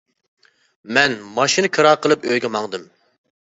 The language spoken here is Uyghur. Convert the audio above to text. مەن ماشىنا كىرا قىلىپ ئۆيگە ماڭدىم.